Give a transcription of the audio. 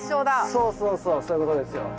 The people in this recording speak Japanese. そうそうそうそういうことですよ。